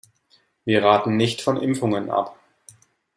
Wir raten nicht von Impfungen ab.